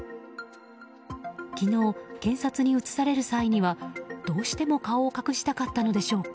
昨日、検察に移される際にはどうしても顔を隠したかったのでしょうか